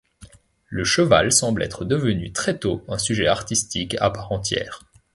Le cheval semble être devenu très tôt un sujet artistique à part entière.